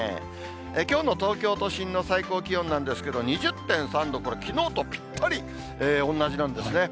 きょうの東京都心の最高気温なんですけど、２０．３度、これ、きのうとぴったりおんなじなんですね。